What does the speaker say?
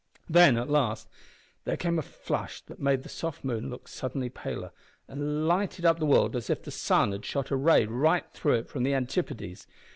Then, at last, there came a flush that made the soft moon look suddenly paler, and lighted up the world as if the sun had shot a ray right through it from the antipodes.